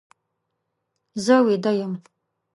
زه ویده یم.